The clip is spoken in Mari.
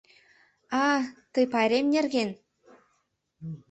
— А, тый пайрем нерген!